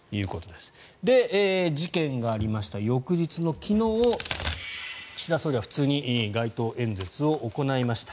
で、事件がありました翌日の昨日岸田総理は普通に街頭演説を行いました。